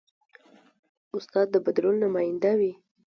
استاد د بدلون نماینده وي.